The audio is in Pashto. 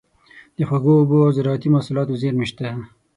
د خوږو اوبو او زارعتي محصولاتو زیرمې شته.